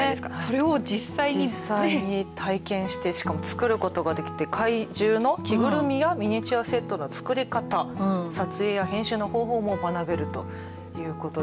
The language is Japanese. それを実際に体験してしかも、作ることができて怪獣の着ぐるみやミニチュアセットの作り方撮影や編集の方法も学べるということで。